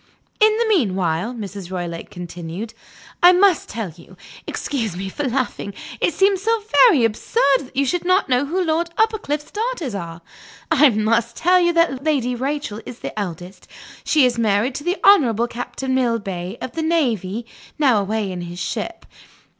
"In the meanwhile," Mrs. Roylake continued, "I must tell you excuse me for laughing; it seems so very absurd that you should not know who Lord Uppercliff's daughters are I must tell you that Lady Rachel is the eldest. She is married to the Honorable Captain Millbay, of the Navy, now away in his ship.